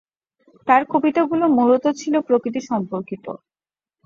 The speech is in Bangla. তার কবিতাগুলো মূলত ছিল প্রকৃতিসম্পর্কিত।